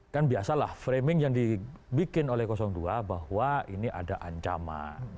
kan biasalah framing yang dibikin oleh dua bahwa ini ada ancaman